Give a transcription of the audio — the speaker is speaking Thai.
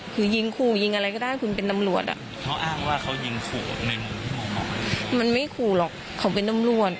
คือยิงคู่ยิงอะไรก็ได้คือเป็นนำรวจ